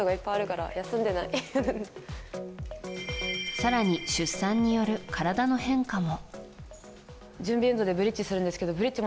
更に出産による体の変化も。